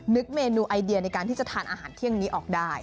เมนูไอเดียในการที่จะทานอาหารเที่ยงนี้ออกได้